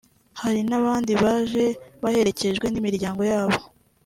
Hari n’abandi baje baherekejwe n’imiryango yabo